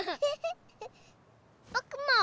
ぼくも！